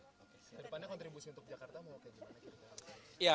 terdepannya kontribusi untuk jakarta mau ke gimana